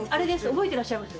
覚えてらっしゃいます？